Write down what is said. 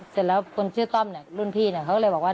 เสร็จแล้วคนชื่อต้อมรุ่นพี่เขาเลยบอกว่า